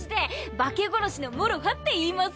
化け殺しのもろはって言います。